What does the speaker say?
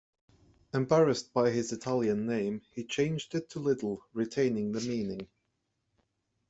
Embarrassed by his Italian name, he changed it to "Little", retaining the meaning.